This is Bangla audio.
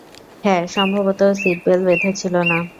হ্যাঁ, সম্ভবত, ও সিট বেল্ট বেঁধেছিল না।